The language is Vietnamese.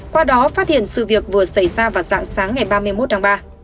qua đó phát hiện sự việc vừa xảy ra vào dạng sáng ngày ba mươi một tháng ba